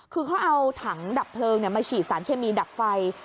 คือเขาเอาถังดับเพลิงมาฉีดสารเคมีดับไฟ